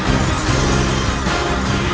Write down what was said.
kau tidak bisa menang